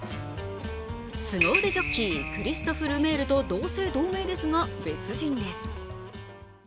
すご腕ジョッキークリストフ・ルメールと同姓同名ですが別人です。